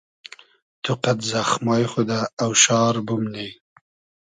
تو قئد زئخمای خو دۂ اۆشار بومنی